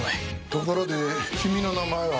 ところで君の名前は？